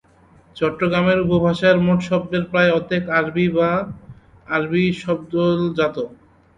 চট্টগ্রামের উপভাষার মোট শব্দের প্রায় অর্ধেক আরবি বা আরবি শব্দলজাত।